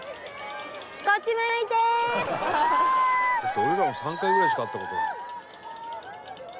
「俺らも３回ぐらいしか会った事ない」